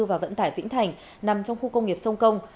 và vận tải vĩnh thành nằm trong khu công nghiệp sông công